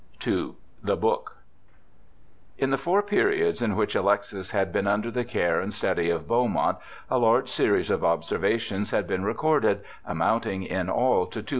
II. The Book In the four periods in which Alexis had been under the care and study of Beaumont a large series of observations had been recorded, amounting in all to 238.